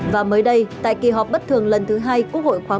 và mới đây tại kỳ họp bất thường lần thứ hai quốc hội khoáng một mươi năm